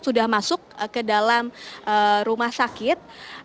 sudah masuk ke dalam rumah sakit